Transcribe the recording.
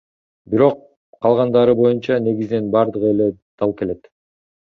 Бирок калгандары боюнча, негизинен бардыгы эле дал келет.